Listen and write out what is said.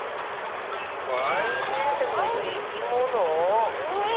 まんいんでんしゃにいるいきもの？え？